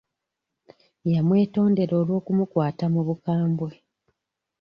Yamwetondera olw'okumukwata mu bukambwe.